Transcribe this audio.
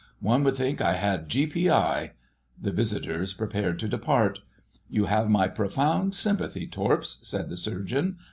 One would think I had G.P.I.!" The visitors prepared to depart. "You have my profound sympathy, Torps," said the Surgeon.